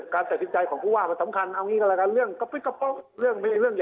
การตัดสินใจของผู้ว่ามันสำคัญเรื่องไม่ได้เรื่องใหญ่โตเลย